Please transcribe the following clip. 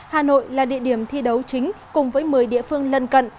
hà nội là địa điểm thi đấu chính cùng với một mươi địa phương lân cận